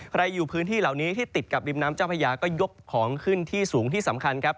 อยู่พื้นที่เหล่านี้ที่ติดกับริมน้ำเจ้าพญาก็ยกของขึ้นที่สูงที่สำคัญครับ